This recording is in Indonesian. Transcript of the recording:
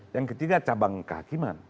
yang ketiga cabang kehakiman